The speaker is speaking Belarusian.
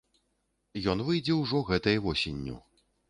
Ён выйдзе ўжо гэтай восенню.